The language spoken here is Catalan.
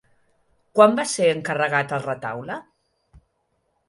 Quan va ser encarregat el retaule?